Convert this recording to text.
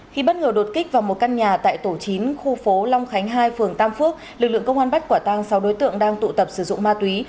khi bất ngờ đột kích vào một căn nhà tại tổ chín khu phố long khánh hai phường tam phước lực lượng công an bắt quả tăng sáu đối tượng đang tụ tập sử dụng ma túy